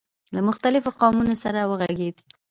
له مختلفو قومونو سره وغږېد.